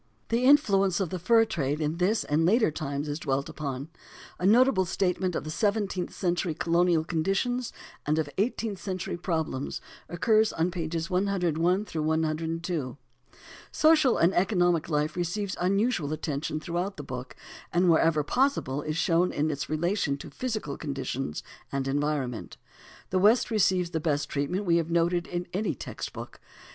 The influence of the fur trade in this and later times is dwelt upon (pp. 97 98, 108, 111). A notable statement of seventeenth century colonial conditions and of eighteenth century problems occurs on pages 101 102. Social and economic life receives unusual attention throughout the book, and wherever possible is shown in its relation to physical conditions and environment. The West receives the best treatment we have noted in any text book.